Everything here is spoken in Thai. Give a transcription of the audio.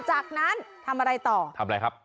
จากนั้นทำอะไรต่อทำอะไรครับ